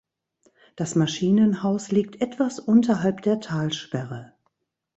Das Maschinenhaus liegt etwas unterhalb der Talsperre.